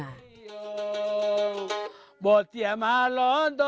pantungi adalah jenis jenis panggung yang terkenal di tanah gorontalo